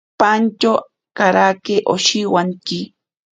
Pantyo karake oshiwanki.